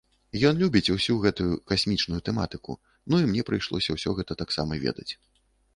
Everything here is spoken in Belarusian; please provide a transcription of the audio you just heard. Ён любіць усю гэтую касмічную тэматыку, ну, і мне прыйшлося ўсё гэта таксама ведаць.